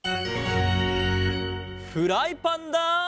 フライパンだ！